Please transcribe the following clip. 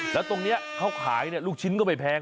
แล้วตรงนี้เขาขายลูกชิ้นก็ไม่แพง